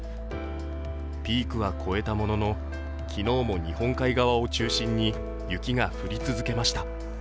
ピークは越えたものの、昨日も日本海側を中心に雪が降り続けました。